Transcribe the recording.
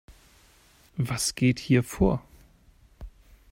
Was geht hier vor?